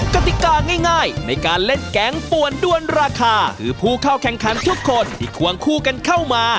กติกาง่ายในการเล่นแกงป่วนด้วนราคาคือผู้เข้าแข่งขันทุกคนที่ควงคู่กันเข้ามา